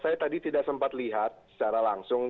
saya tadi tidak sempat lihat secara langsung